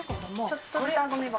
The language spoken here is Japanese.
ちょっとしたごみ箱。